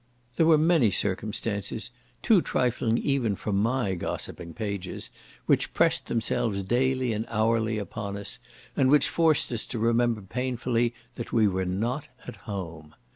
There were many circumstances, too trifling even for my gossiping pages, which pressed themselves daily and hourly upon us, and which forced us to remember painfully that we were not at home.